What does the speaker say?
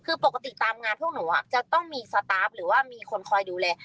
คือปกติตามงานพวกหนูจะต้องมีสตาร์ฟหรือว่ามีคนคอยดูแล